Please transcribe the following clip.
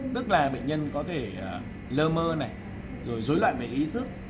tức là bệnh nhân có thể lơ mơ này rồi dối loạn về ý thức